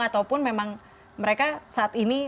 ataupun memang mereka saat ini